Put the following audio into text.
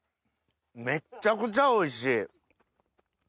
めっちゃくちゃおいしい。